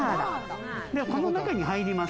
この中に入ります。